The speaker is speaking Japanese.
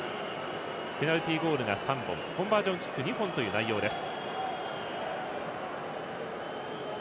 ペナルティゴールが３本コンバージョンキック２本という内容です。